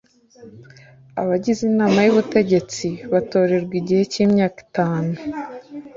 abagize inama y’ubutegetsi batorerwa igihe cy’imyaka itanu